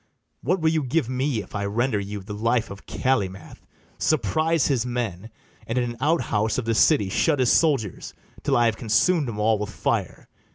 What will you give me if I render you The life of Calymath, surprise his men, And in an out house of the city shut His soldiers, till I have consum'd 'em all with fire?